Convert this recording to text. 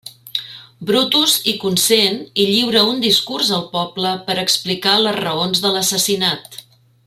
Brutus hi consent i lliura un discurs al poble per explicar les raons de l'assassinat.